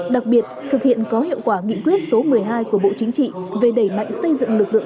đặc biệt thực hiện có hiệu quả nghị quyết số một mươi hai của bộ chính trị về đẩy mạnh xây dựng lực lượng